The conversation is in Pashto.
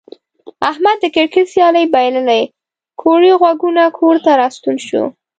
احمد د کرکټ سیالي بایللې کوړی غوږونه کور ته راستون شو.